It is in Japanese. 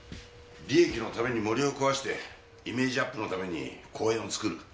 利益のために森を壊してイメージアップのために公園を造る。